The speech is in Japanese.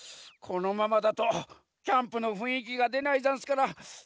このままだとキャンプのふんいきがでないざんすから。